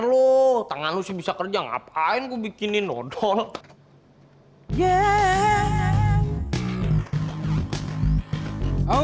bro tangan lu sih bisa kerja ngapain gua bikinin nodol yen obb